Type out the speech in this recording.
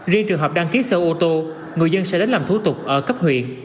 riêng trường hợp đăng ký xe ô tô người dân sẽ đến làm thủ tục ở cấp huyện